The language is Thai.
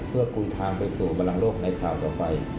เพื่อกุยทางไปสู่บรรลังโลกในข่าวต่อไป